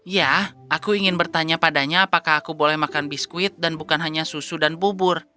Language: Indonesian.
ya aku ingin bertanya padanya apakah aku boleh makan biskuit dan bukan hanya susu dan bubur